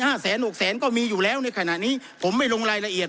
แสนหกแสนก็มีอยู่แล้วในขณะนี้ผมไม่ลงรายละเอียด